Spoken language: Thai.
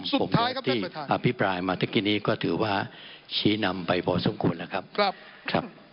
แต่ผมจะอภิรายมาตรกีนนี้ก็ถือว่าชี้นำไปพอสมควรล่ะครับ